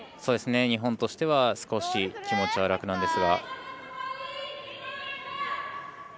日本としては少し気持ちは楽なんですが。